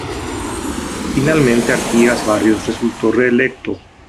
Finalmente Artigas Barrios resultó reelecto.